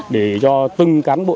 để cho từng cán bộ